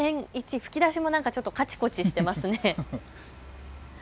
吹き出しもなんかカチコチしてますね。